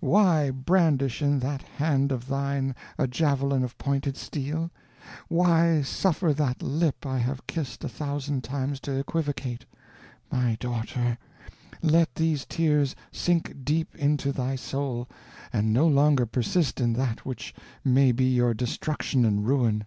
Why brandish in that hand of thine a javelin of pointed steel? Why suffer that lip I have kissed a thousand times to equivocate? My daughter, let these tears sink deep into thy soul, and no longer persist in that which may be your destruction and ruin.